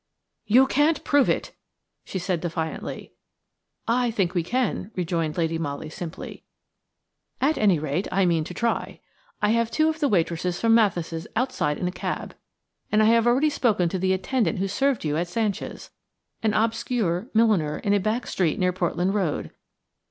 "You can't prove it!" she said defiantly. "I think we can," rejoined Lady Molly, simply; "at any rate, I mean to try. I have two of the waitresses from Mathis' outside in a cab, and I have already spoken to the attendant who served you at Sanchia's, an obscure milliner in a back street near Portland Road.